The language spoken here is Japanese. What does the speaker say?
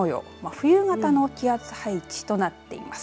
冬型の気圧配置となっています。